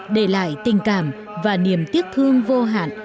để lại tình cảm và niềm tiếc thương vô hạn